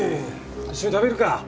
一緒に食べるか。